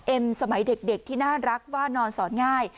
สมัยเด็กที่น่ารักว่านอนสอนง่าย